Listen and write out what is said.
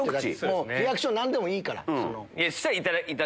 リアクション何でもいいから。